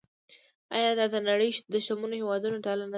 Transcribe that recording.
آیا دا د نړۍ د شتمنو هیوادونو ډله نه ده؟